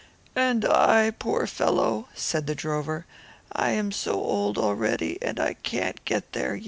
"And I, poor fellow," said the drover, "I who am so old already, cannot get there."